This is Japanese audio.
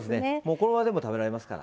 このままでも食べられますから。